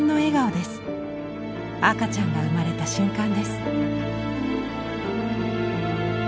赤ちゃんが生まれた瞬間です。